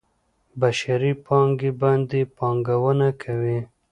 بشري پانګې باندې پانګونه کوي.